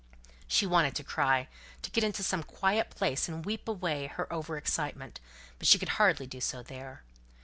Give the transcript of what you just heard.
She wanted to cry; to get into some quiet place, and weep away her over excitement; but she could hardly do so there.